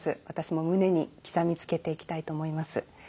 私も胸に刻みつけていきたいと思います。